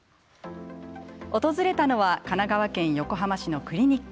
訪れたのは神奈川県横浜市のクリニック。